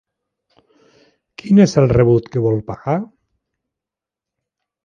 Quin és el rebut que vol pagar?